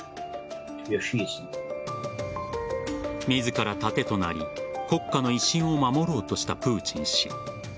自ら盾となり国家の威信を守ろうとしたプーチン氏。